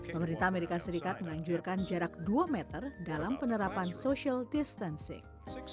pemerintah amerika serikat menganjurkan jarak dua meter dalam penerapan social distancing